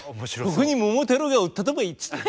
「ここに桃太郎がおったとばい」っつって。